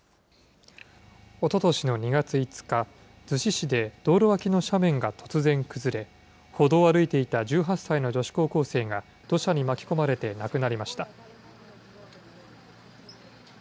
おととしの２月５日、逗子市で道路脇の斜面が突然崩れ、歩道を歩いていた１８歳の女子高校生が土砂に巻き込まれて亡くなりました。